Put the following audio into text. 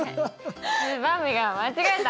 ばんびが間違えた！